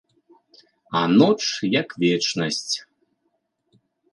А ноч, як вечнасць.